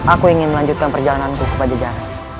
aku ingin melanjutkan perjalananku kepada jalan